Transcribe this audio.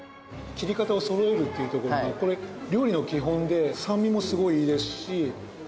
切り方をそろえるっていうところがこれ料理の基本で酸味もすごいいいですし香ばしさも伝わってきますね。